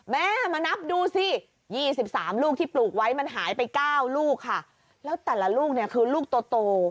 แม่มานับดูสิ๒๓ลูกที่ปลูกไว้มันหายไป๙ลูกค่ะแล้วแต่ละลูกเนี่ยคือลูกโต